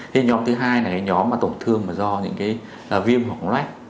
thì nhóm thứ hai là cái nhóm tổn thương mà do những cái viêm hoặc loét